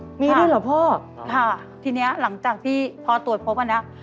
มีด้วยเหรอพ่อค่ะทีเนี้ยหลังจากที่พอตรวจพบอันเนี้ย